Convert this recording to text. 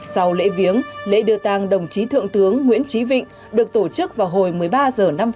sau lễ viếng lễ đưa tàng đồng chí thượng tướng nguyễn trí vịnh được tổ chức vào hôm nay